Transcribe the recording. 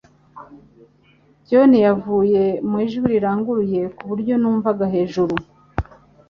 John yavugiye mu ijwi riranguruye ku buryo numvaga hejuru